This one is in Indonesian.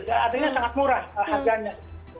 artinya sangat murah harganya